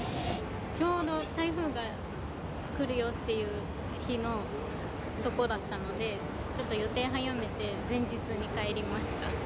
ちょうど台風が来るよっていう日のとこだったので、ちょっと予定早めて、前日に帰りました。